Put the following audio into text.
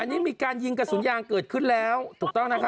อันนี้มีการยิงกระสุนยางเกิดขึ้นแล้วถูกต้องนะคะ